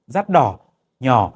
rát đỏ nhỏ